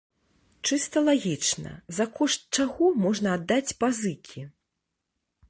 Чыста лагічна, за кошт чаго можна аддаць пазыкі?